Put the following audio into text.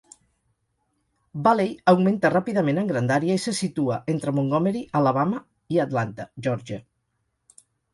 Valley augmenta ràpidament en grandària i se situa entre Montgomery, Alabama i Atlanta, Geòrgia.